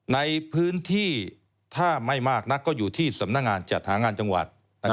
ในพื้นที่ถ้าไม่มากนักก็อยู่ที่สำนักงานจัดหางานจังหวัด